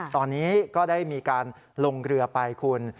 ตอนนี้ก็ได้มีการลงเรือไปคุณ